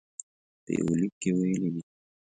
په یوه لیک کې ویلي دي.